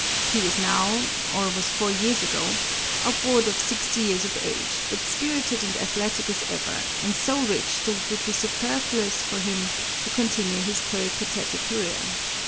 He is now or was four years ago upward of sixty years of age, but spirited and athletic as ever, and so rich that it would be superfluous for him to continue his peripatetic career.